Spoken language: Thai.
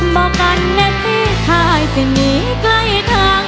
บอกกันนะพี่ชายสิหนีใกล้ทาง